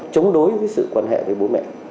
chống đối với sự quan hệ với bố mẹ